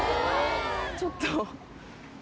ちょっと。